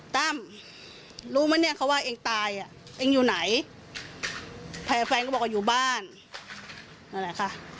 ตั้มรู้ไหมเนี่ยเขาว่าเองตายอ่ะเองอยู่ไหนแฟนก็บอกว่าอยู่บ้านนั่นแหละค่ะ